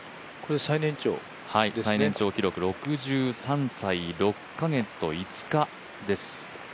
最年長記録、６３歳６か月と５日です。